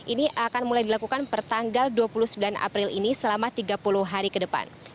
ini akan mulai dilakukan pertanggal dua puluh sembilan april ini selama tiga puluh hari ke depan